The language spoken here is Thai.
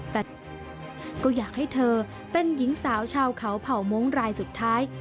แต่ก็อยากให้เธอเป็นหญิงสาวชาวเขาเผ่ามงค์รายสุดท้าย